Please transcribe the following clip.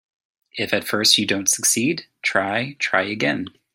If at first you don't succeed, try, try again.